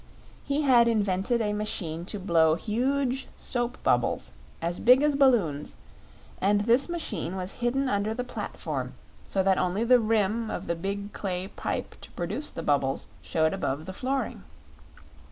He had invented a machine to blow huge soap bubbles, as big as balloons, and this machine was hidden under the platform so that only the rim of the big clay pipe to produce the bubbles showed above the flooring.